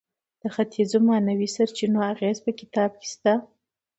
د ختیځو معنوي سرچینو اغیز په کتاب کې شته.